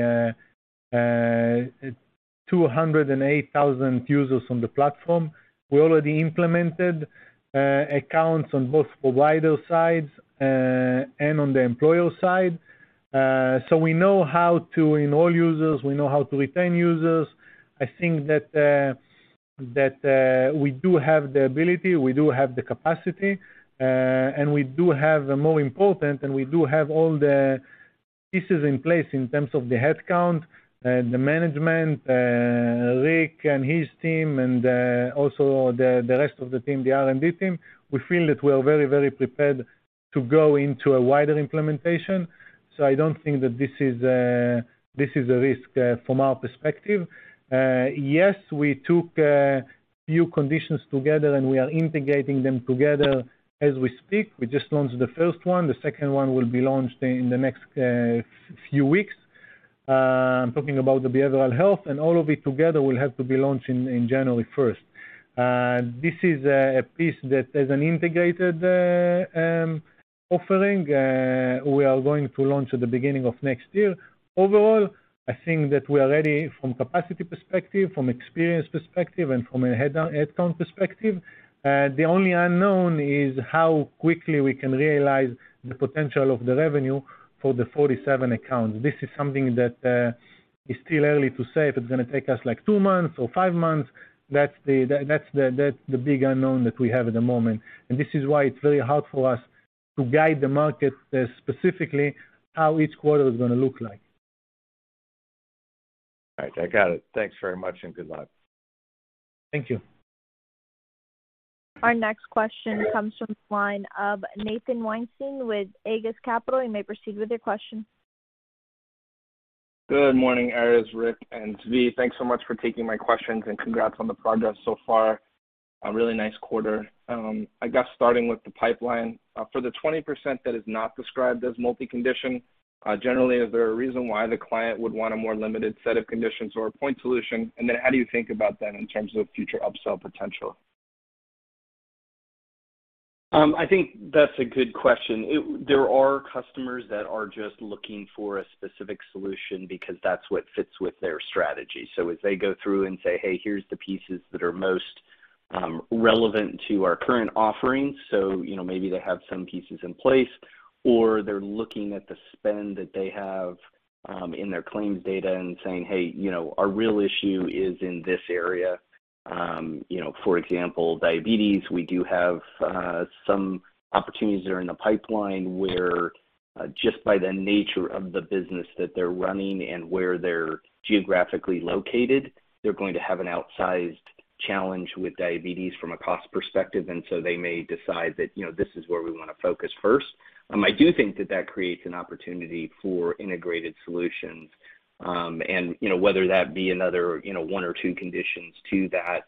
208,000 users on the platform. We already implemented accounts on both provider sides and on the employer side. So we know how to enroll users. We know how to retain users. I think that we do have the ability, we do have the capacity, and we do have, the more important, and we do have all the pieces in place in terms of the headcount, the management, Rick and his team and also the rest of the team, the R&D team. We feel that we are very, very prepared to go into a wider implementation. I don't think that this is a risk from our perspective. Yes, we took new conditions together and we are integrating them together as we speak. We just launched the first one. The second one will be launched in the next few weeks. I'm talking about the behavioral health, and all of it together will have to be launched in January first. This is a piece that is an integrated offering we are going to launch at the beginning of next year. Overall, I think that we are ready from capacity perspective, from experience perspective, and from a headcount perspective. The only unknown is how quickly we can realize the potential of the revenue for the 47 accounts. This is something that is still early to say if it's gonna take us, like, two months or five months. That's the big unknown that we have at the moment. This is why it's very hard for us to guide the market, specifically how each quarter is gonna look like. All right. I got it. Thanks very much and good luck. Thank you. Our next question comes from the line of Nathan Weinstein with Aegis Capital. You may proceed with your question. Good morning, Erez, Rick, and Zvi. Thanks so much for taking my questions and congrats on the progress so far. A really nice quarter. I guess starting with the pipeline. For the 20% that is not described as multi-condition, generally, is there a reason why the client would want a more limited set of conditions or a point solution? How do you think about that in terms of future upsell potential? I think that's a good question. There are customers that are just looking for a specific solution because that's what fits with their strategy. So as they go through and say, "Hey, here's the pieces that are most relevant to our current offerings." You know, maybe they have some pieces in place or they're looking at the spend that they have in their claims data and saying, "Hey, you know, our real issue is in this area." You know, for example, diabetes, we do have some opportunities that are in the pipeline where, just by the nature of the business that they're running and where they're geographically located, they're going to have an outsized challenge with diabetes from a cost perspective. They may decide that, you know, this is where we wanna focus first. I do think that creates an opportunity for integrated solutions, and you know, whether that be another, you know, one or two conditions to that,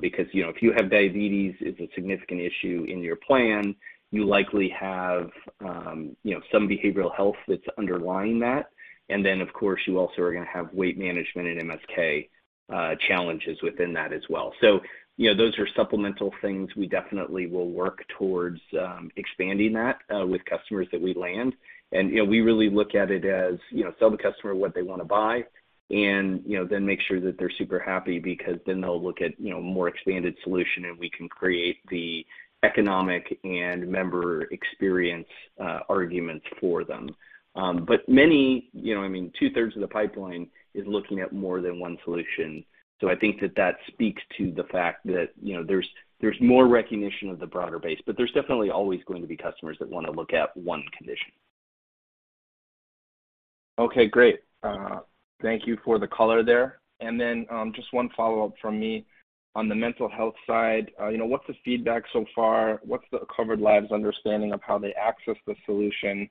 because, you know, if you have diabetes, it's a significant issue in your plan. You likely have, you know, some behavioral health that's underlying that. And then, of course, you also are gonna have weight management and MSK challenges within that as well. So you know, those are supplemental things. We definitely will work towards expanding that with customers that we land. And you know, we really look at it as you know, sell the customer what they wanna buy and you know, then make sure that they're super happy because then they'll look at you know, more expanded solution, and we can create the economic and member experience arguments for them. But many--You know what I mean, 2/3 of the pipeline is looking at more than one solution. I think that speaks to the fact that, you know, there's more recognition of the broader base, but there's definitely always going to be customers that wanna look at one condition. Okay, great. Thank you for the color there. Just one follow-up from me. On the mental health side, you know, what's the feedback so far? What's the covered lives understanding of how they access the solution?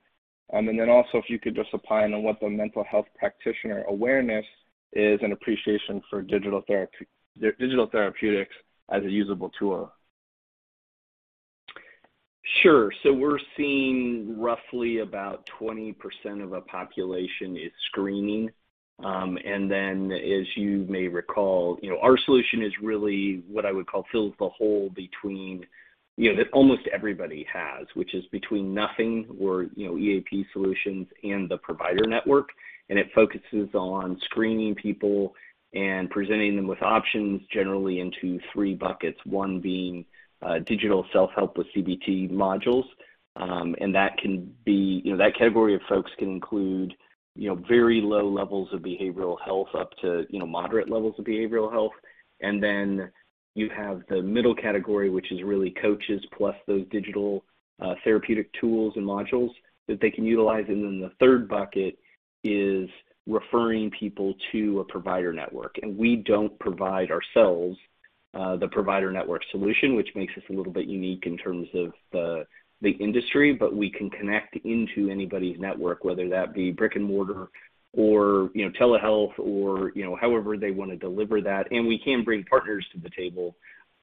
If you could just opine on what the mental health practitioner awareness is and appreciation for digital therapeutics as a usable tool. Sure. We're seeing roughly about 20% of our population is screening. As you may recall, you know, our solution is really what I would call fills the hole between, you know, that almost everybody has, which is between nothing or, you know, EAP solutions and the provider network. It focuses on screening people and presenting them with options generally into three buckets, one being digital self-help with CBT modules that can be--you know, that category of folks can include, you know, very low levels of behavioral health up to, you know, moderate levels of behavioral health. You have the middle category, which is really coaches plus those digital therapeutic tools and modules that they can utilize. The third bucket is referring people to a provider network. We don't provide ourselves the provider network solution, which makes us a little bit unique in terms of the industry, but we can connect into anybody's network, whether that be brick-and-mortar or, you know, telehealth or, you know, however they wanna deliver that. We can bring partners to the table,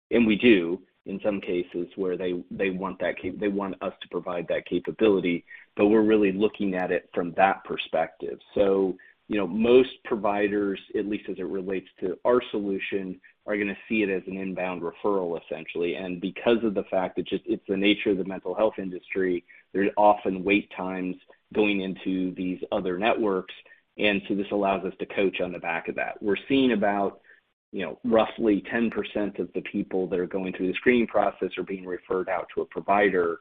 and we do in some cases where they want us to provide that capability, but we're really looking at it from that perspective. You know, most providers, at least as it relates to our solution, are gonna see it as an inbound referral, essentially. Because of the fact that just it's the nature of the mental health industry, there's often wait times going into these other networks, and so this allows us to coach on the back of that. We're seeing about, you know, roughly 10% of the people that are going through the screening process are being referred out to a provider.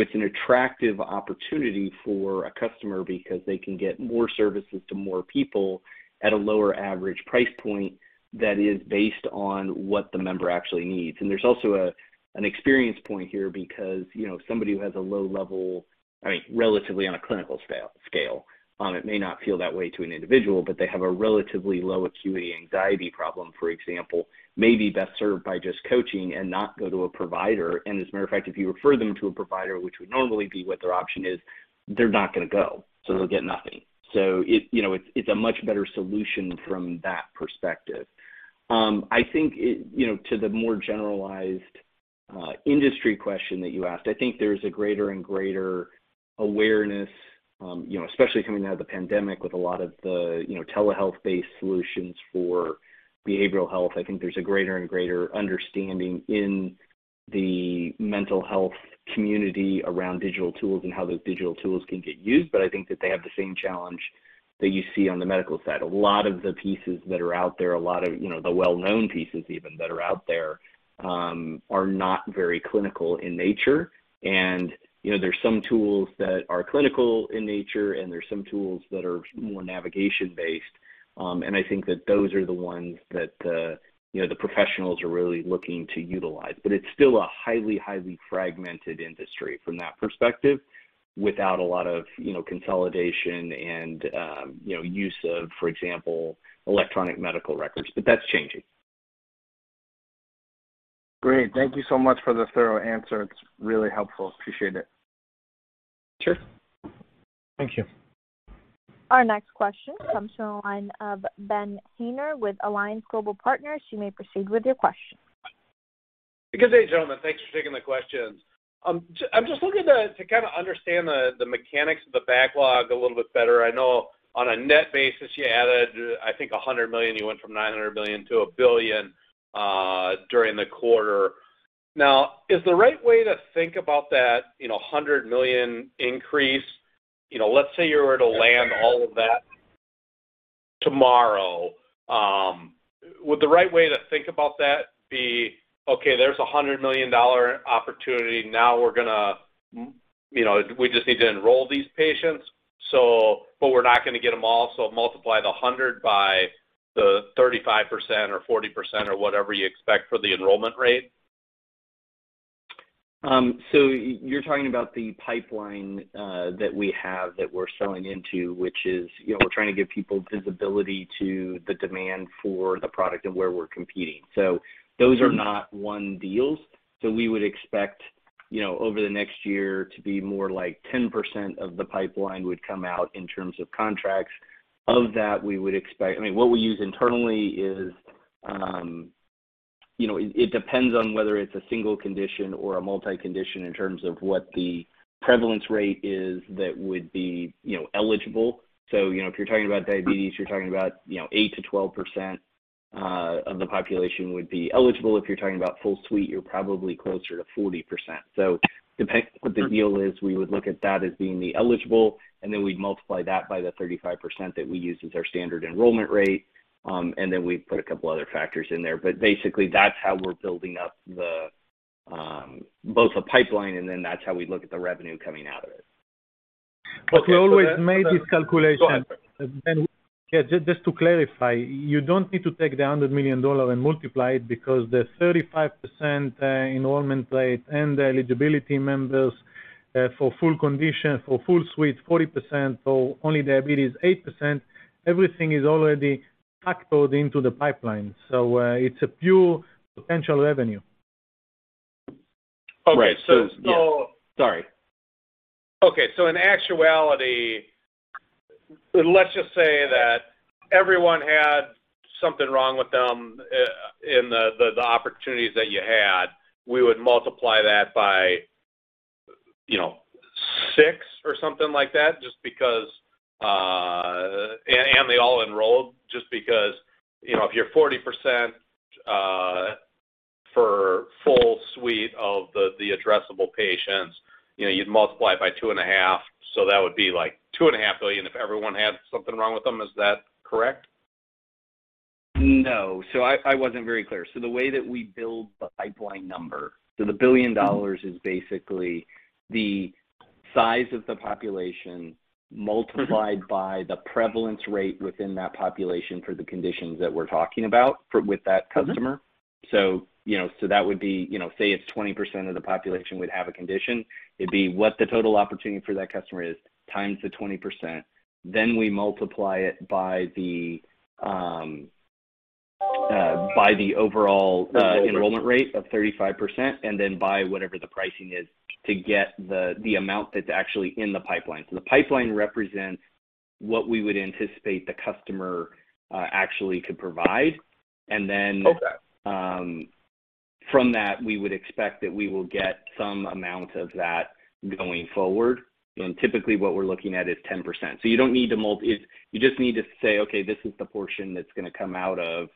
It's an attractive opportunity for a customer because they can get more services to more people at a lower average price point that is based on what the member actually needs. There's also an experience point here because, you know, somebody who has a low level I mean, relatively on a clinical scale, it may not feel that way to an individual, but they have a relatively low acuity anxiety problem, for example, may be best served by just coaching and not go to a provider. As a matter of fact, if you refer them to a provider, which would normally be what their option is, they're not gonna go, so they'll get nothing. It's a much better solution from that perspective. I think to the more generalized industry question that you asked, I think there's a greater and greater awareness, especially coming out of the pandemic with a lot of the telehealth-based solutions for behavioral health. I think there's a greater and greater understanding in the mental health community around digital tools and how those digital tools can get used. But I think that they have the same challenge that you see on the medical side. A lot of the pieces that are out there, a lot of the well-known pieces even that are out there, are not very clinical in nature. There's some tools that are clinical in nature, and there's some tools that are more navigation based. I think that those are the ones that, you know, the professionals are really looking to utilize. It's still a highly fragmented industry from that perspective, without a lot of, you know, consolidation and, you know, use of, for example, electronic medical records, but that's changing. Great. Thank you so much for the thorough answer. It's really helpful. Appreciate it. Sure. Thank you. Our next question comes from the line of Ben Haynor with Alliance Global Partners. You may proceed with your question. Good day, gentlemen. Thanks for taking the questions. I'm just looking to kinda understand the mechanics of the backlog a little bit better. I know on a net basis, you added, I think $100 million. You went from $900 million to $1 billion during the quarter. Now, is the right way to think about that, you know, $100 million increase--you know, let's say you were to land all of that tomorrow--would the right way to think about that be, okay, there's a $100 million dollar opportunity, now, we're gonna, you know, we just need to enroll these patients, so, but we're not gonna get them all, so multiply the hundred by the 35% or 40% or whatever you expect for the enrollment rate? You're talking about the pipeline that we have that we're selling into, which is, you know, we're trying to give people visibility to the demand for the product and where we're competing. Those are not one-off deals. We would expect, you know, over the next year to be more like 10% of the pipeline would come out in terms of contracts. Of that, we would expect--I mean, what we use internally is, you know, it depends on whether it's a single condition or a multi-condition in terms of what the prevalence rate is that would be, you know, eligible. If you're talking about diabetes, you're talking about, you know, 8%-12% of the population would be eligible. If you're talking about full suite, you're probably closer to 40%. What the deal is, we would look at that as being the eligible, and then we'd multiply that by the 35% that we use as our standard enrollment rate. Then we put a couple other factors in there. Basically, that's how we're building up both the pipeline, and then that's how we look at the revenue coming out of it. We always made this calculation. Go ahead. Yeah. Just to clarify, you don't need to take the $100 million and multiply it because the 35% enrollment rate and the eligibility members for full condition, for full suite, 40%, for only diabetes, 8%, everything is already factored into the pipeline. It's a pure potential revenue. Right. Okay. So- Yeah. Sorry. In actuality, let's just say that everyone had something wrong with them in the opportunities that you had, we would multiply that by, you know, six or something like that just because, and they all enrolled just because, you know, if you're 40% for full suite of the addressable patients, you know, you'd multiply it by 2.5, that would be like $2.5 billion if everyone had something wrong with them. Is that correct? No. I wasn't very clear. The way that we build the pipeline number, the $1 billion is basically the size of the population multiplied by the prevalence rate within that population for the conditions that we're talking about with that customer. Mm-hmm. You know, that would be, you know, say it's 20% of the population would have a condition. It'd be what the total opportunity for that customer is times the 20%. Then we multiply it by the overall enrollment rate of 35% and then by whatever the pricing is to get the amount that's actually in the pipeline. The pipeline represents what we would anticipate the customer actually could provide. Okay. From that, we would expect that we will get some amount of that going forward. Typically, what we're looking at is 10%. You just need to say, "Okay, this is the portion that's gonna come out of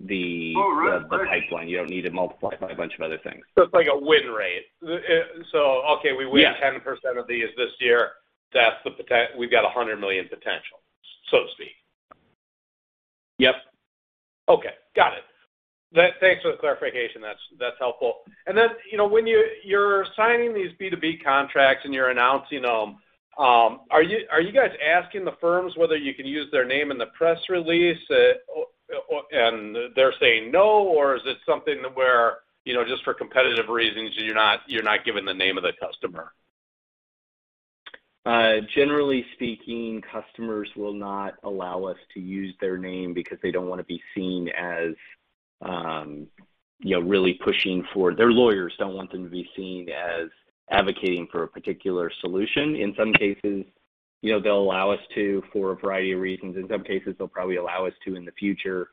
the- Oh, right. Right.... the pipeline." You don't need to multiply by a bunch of other things. It's like a win rate. Yeah. 10% of these this year. That's the potential. We've got a 100 million potential, so to speak. Yep. Okay. Got it. Thanks for the clarification. That's helpful. You know, when you're signing these B2B contracts and you're announcing them, are you guys asking the firms whether you can use their name in the press release, or and they're saying no, or is it something where, you know, just for competitive reasons, you're not giving the name of the customer? Generally speaking, customers will not allow us to use their name because they don't wanna be seen as, you know, really pushing for--their lawyers don't want them to be seen as advocating for a particular solution. In some cases, you know, they'll allow us to for a variety of reasons. In some cases, they'll probably allow us to, in the future,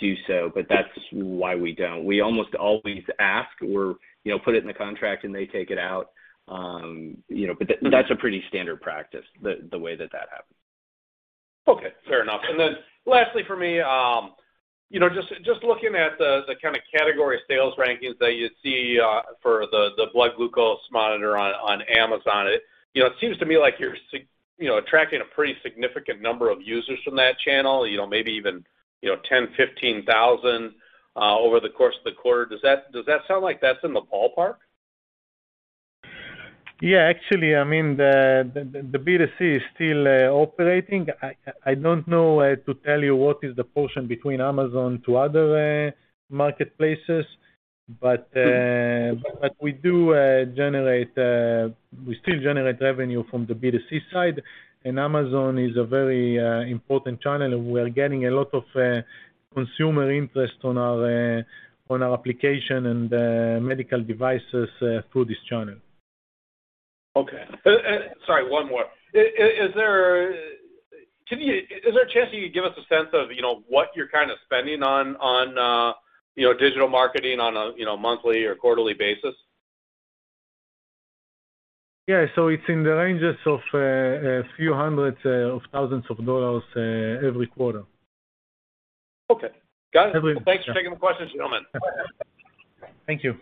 do so. That's why we don't. We almost always ask or, you know, put it in the contract and they take it out. Mm-hmm. That's a pretty standard practice, the way that that happens. Okay, fair enough. Lastly for me, you know, just looking at the kinda category sales rankings that you see for the blood glucose monitor on Amazon, you know, it seems to me like you're attracting a pretty significant number of users from that channel, you know, maybe even 10,000-15,000 over the course of the quarter. Does that sound like that's in the ballpark? Yeah, actually, I mean, the B2C is still operating. I don't know to tell you what is the portion between Amazon and other marketplaces. We still generate revenue from the B2C side, and Amazon is a very important channel, and we're getting a lot of consumer interest in our application and medical devices through this channel. Okay. Sorry, one more. Is there a chance you could give us a sense of, you know, what you're kinda spending on, you know, digital marketing on a, you know, monthly or quarterly basis? It's in the range of a few hundred thousand dollars every quarter. Okay. Got it. Every- Thanks for taking the question, gentlemen. Thank you.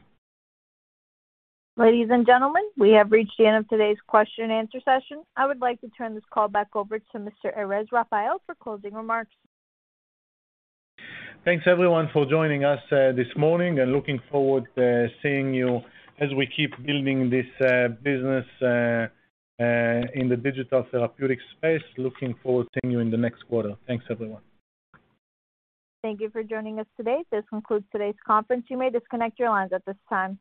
Ladies and gentlemen, we have reached the end of today's question-and-answer session. I would like to turn this call back over to Mr. Erez Raphael for closing remarks. Thanks, everyone, for joining us this morning, and looking forward seeing you as we keep building this business in the digital therapeutics space. Looking forward seeing you in the next quarter. Thanks, everyone. Thank you for joining us today. This concludes today's conference. You may disconnect your lines at this time.